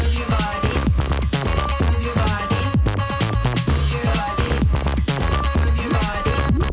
หุ่นเสียเปรี้ยวเวอร์